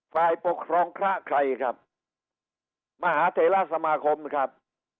ฝ่ายปกครองพระใครครับมหาเทราสมาคมครับ